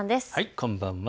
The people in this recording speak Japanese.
こんばんは。